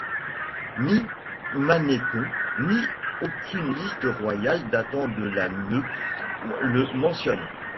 Ni Manéthon, ni aucune liste royale datant de la ne le mentionnent.